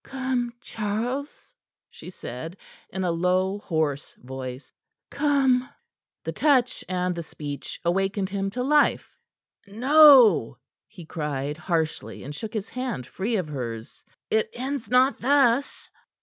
"Come, Charles," she said, in a low, hoarse voice. "Come!" The touch and the speech awakened him to life. "No!" he cried harshly, and shook his hand free of hers. "It ends not thus."